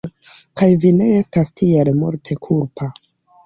kaj vi ne estas tiel multe kulpa.